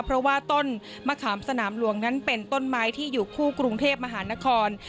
เพราะว่าต้นมะขามสนามหลวงนั้นเป็นต้นไม้ที่อยู่คู่กรุงเทพมหานคร